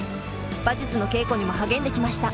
馬術の稽古にも励んできました。